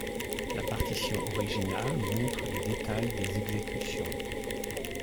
La partition originale montre les détails des exécutions.